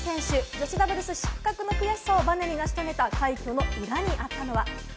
女子ダブルス失格の悔しさをバネに成し遂げた快挙の裏にあったのは。